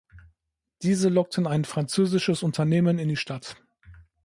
Diese lockten ein französisches Unternehmen in die Stadt.